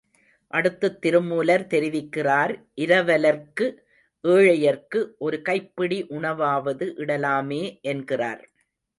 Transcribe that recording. அடுத்துத் திருமூலர் தெரிவிக்கிறார் இரவலர்க்கு ஏழையர்க்கு ஒரு கைப்பிடி உணவாவது இடலாமே என்கிறார்.